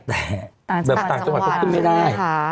แต่แบบต่างจังหวัดก็ขึ้นไม่ได้